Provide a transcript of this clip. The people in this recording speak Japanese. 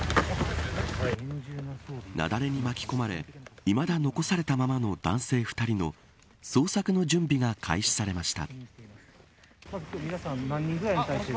雪崩に巻き込まれいまだ残されたままの男性２人の捜索の準備が開始されました。